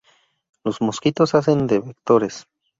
Los mosquitos hacen de vectores.